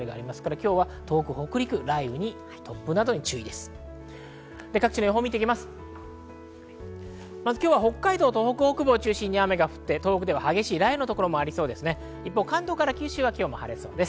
今日は北海道と東北北部を中心に雨が降って東北では激しい雷雨の所もありそうです。